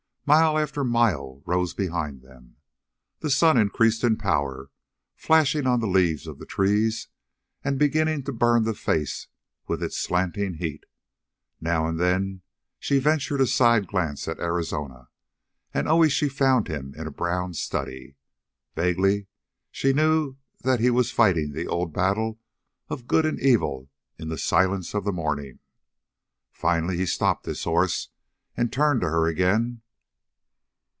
Mile after mile rose behind them. The sun increased in power, flashing on the leaves of the trees and beginning to burn the face with its slanting heat. Now and then she ventured a side glance at Arizona, and always she found him in a brown study. Vaguely she knew that he was fighting the old battle of good and evil in the silence of the morning. Finally he stopped his horse and turned to her again.